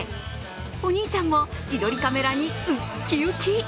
お兄ちゃんも自撮りカメラにうっきうき。